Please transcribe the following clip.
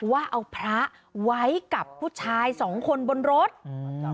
ว่าเอาพระไว้กับผู้ชายสองคนบนรถอืม